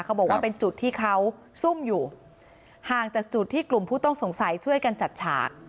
เขาบอกว่าเป็นจุดที่เขาซุ่มอยู่ห่างจากจุดที่กลุ่มผู้ต้องสงสัยช่วยกันจัดฉาก